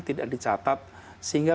tidak dicatat sehingga